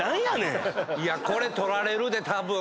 これ取られるでたぶん。